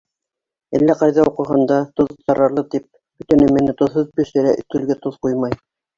Әллә ҡайҙа уҡыған да, тоҙ зарарлы тип, бөтә нәмәне тоҙһоҙ бешерә, өҫтәлгә тоҙ ҡуймай.